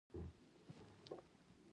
ډرامه د ژوند پېښې بربنډوي